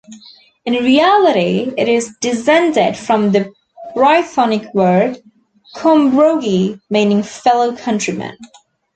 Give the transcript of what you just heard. In reality it is descended from the Brythonic word "combrogi", meaning "fellow-countrymen".